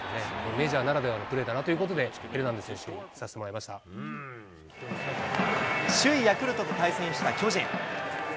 メジャーならではのプレーだなということで、ヘルナンデス選手に首位ヤクルトと対戦した巨人。